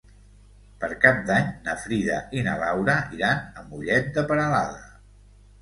Per Cap d'Any na Frida i na Laura iran a Mollet de Peralada.